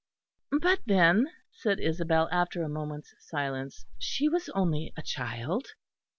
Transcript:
'" "But then," said Isabel, after a moment's silence, "she was only a child."